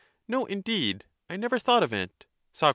No, indeed, I never thought of it, Soc.